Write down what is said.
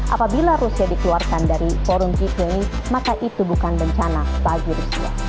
apabila rusia dikeluarkan dari forum g dua puluh maka itu bukan bencana bagi rusia